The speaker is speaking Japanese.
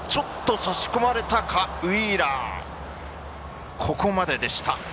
差し込まれたかウィーラーここまででした。